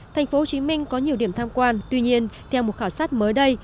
thành phố hồ chí minh có nhiều điểm tham quan tuy nhiên theo một khảo sát mới đây